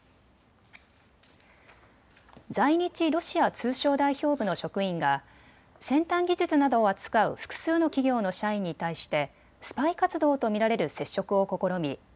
在日ロシア通商代表部の職員が先端技術などを扱う複数の企業の社員に対してスパイ活動と見られる接触を試み